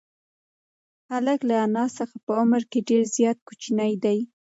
هلک له انا څخه په عمر کې ډېر زیات کوچنی دی.